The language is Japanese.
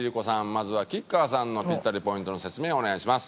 まずは吉川さんのピッタリポイントの説明お願いします。